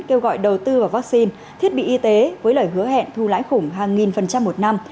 kêu gọi đầu tư vào vaccine thiết bị y tế với lời hứa hẹn thu lãi khủng hàng nghìn phần trăm một năm